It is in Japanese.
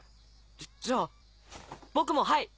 じゃじゃあ僕もはい！